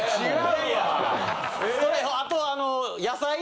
あと。